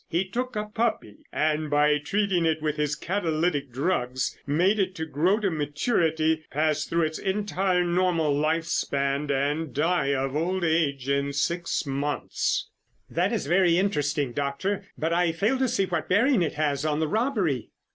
He took a puppy and by treating it with his catalytic drugs, made it grow to maturity, pass through its entire normal life span, and die of old age in six months." "That is very interesting, Doctor, but I fail to see what bearing it has on the robbery."